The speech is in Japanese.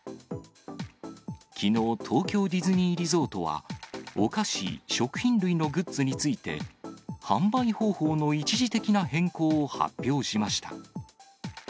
きのう、東京ディズニーリゾートは、お菓子、食品類のグッズについて、販売方法の一時的な変更を発表しました。